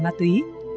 về ma túy